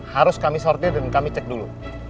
harus kami sortir dan kami cek dulu